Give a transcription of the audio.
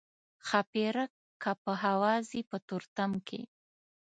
ښاپیرک که په هوا ځي په تورتم کې.